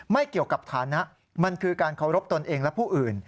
ไม่เกี่ยวกับฐานะมันคือการเคารพตนเองและผู้อื่น